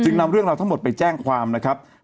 นำเรื่องราวทั้งหมดไปแจ้งความนะครับ